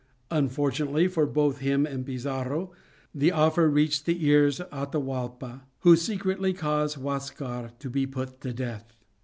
Unfortunately for both him and Pizarro, the offer reached the ears of Atahualpa, who secretly caused Huascar to be put to death.